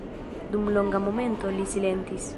Dum longa momento li silentis.